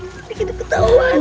tidak ada ketahuan